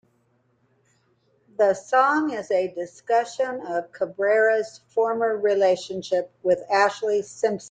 The song is a discussion of Cabrera's former relationship with Ashlee Simpson.